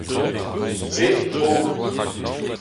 dre he faot.